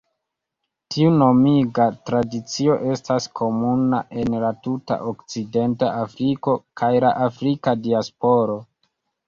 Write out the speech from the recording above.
Tiu nomiga tradicio estas komuna en la tuta Okcidenta Afriko kaj la Afrika diasporo.